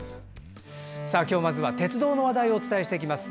今日、まずは鉄道の話題をお伝えします。